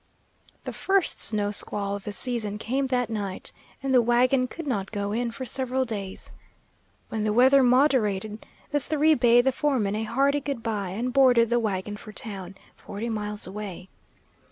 The first snow squall of the season came that night, and the wagon could not go in for several days. When the weather moderated the three bade the foreman a hearty good by and boarded the wagon for town, forty miles away.